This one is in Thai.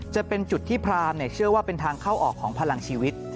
จะเป็นจุดที่พรามเชื่อว่าเป็นทางเข้าออกของพลังชีวิต